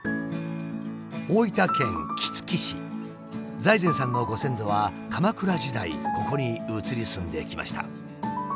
財前さんのご先祖は鎌倉時代ここに移り住んできました。